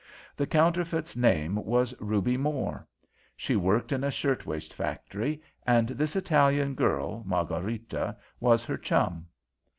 "The counterfeit's name was Ruby Mohr. She worked in a shirtwaist factory, and this Italian girl, Margarita, was her chum.